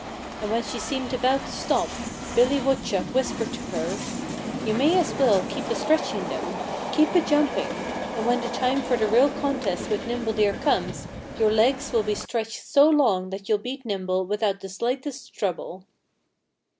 And when she seemed about to stop Billy Woodchuck whispered to her, "You may as well keep a stretching them. Keep a jumping! And when the time for the real contest with Nimble Deer comes your legs will be stretched so long that you'll beat Nimble without the slightest trouble."